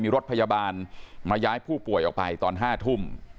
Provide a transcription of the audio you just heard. มีรถพยาบาลมาย้ายผู้ป่วยออกไปตอน๕ทุ่ม